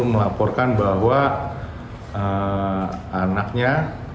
melaporkan bahwa anaknya